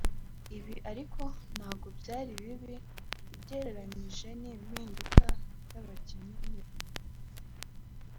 Ibi ariko ntabwo byari bibi ugereranyije n’impinduka z’abakinnyi yari yakoze